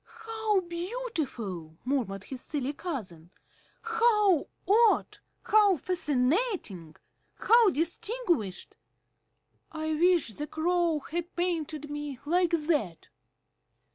"How beautiful!" murmured his silly cousin. "How odd! How fascinating! How distinguished! I wish the Crow had painted me like that!"